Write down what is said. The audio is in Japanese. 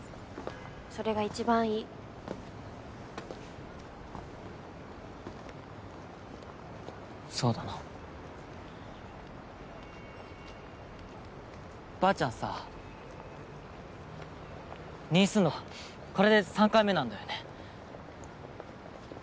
それが一番いいそうだなばあちゃんさ入院するのこれで３回目なんだよね